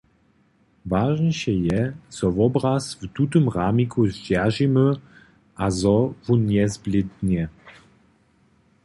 Wažniše je, zo wobraz w tutym ramiku zdźeržimy a zo wón njezblědnje.